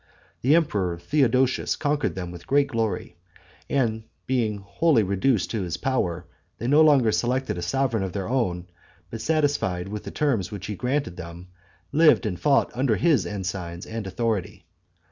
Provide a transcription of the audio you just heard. The emperor Theodosius conquered them with great glory; and, being wholly reduced to his power, they no longer selected a sovereign of their own, but, satisfied with the terms which he granted them, lived and fought under his ensigns, and authority.